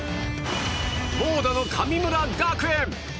猛打の神村学園。